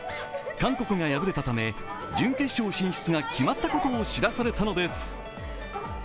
韓国が敗れたため、準決勝進出が決まったことが知らされたのです。